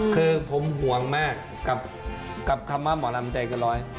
คือผมห่วงมากกับคำว่าหมอลำใจเกินร้อย